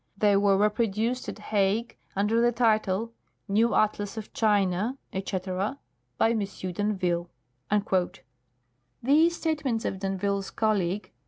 They were reproduced at Hague under the title ' New Atlas of China,' etc., by M. d'Anville." These statements of d'Anville's colleague, M.